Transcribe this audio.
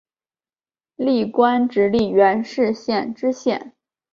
历官直隶元氏县知县。